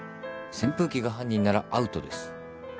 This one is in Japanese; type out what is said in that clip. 扇風機が犯人ならアウトです。